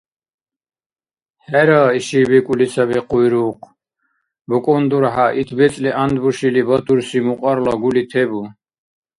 ХӀера иши бикӀули саби къуйрукъ, БукӀун дурхӀя, ит бецӀли гӀяндбушили батурси мукьарла гули тебу?